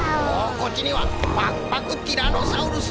こっちにはパクパクティラノサウルスも。